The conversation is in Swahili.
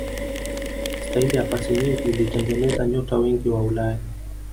staili ya pasi nyingi ilitengeneza nyota wengi wa ulaya